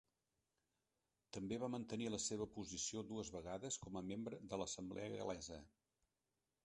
També va mantenir la seva posició dues vegades com a membre de l'assemblea gal·lesa.